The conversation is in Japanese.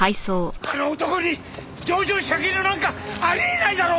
あの男に情状酌量なんかあり得ないだろ！